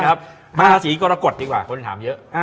มาถาดศรีกระกฏดีกว่าเพิ่งถามเยอะ